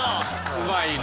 うまいね。